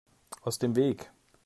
Aus dem Weg!